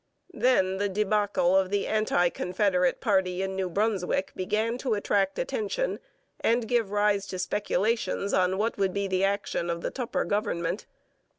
Then the débâcle of the anti confederate party in New Brunswick began to attract attention and give rise to speculations on what would be the action of the Tupper government.